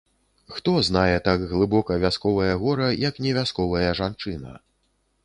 Хто знае так глыбока вясковае гора, як не вясковая жанчына?!